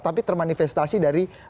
tapi termanifestasi dari